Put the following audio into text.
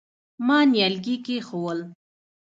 ما نيالګي کېښوول.